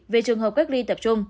về trường hợp cách ly tập trung